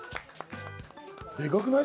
でかくない？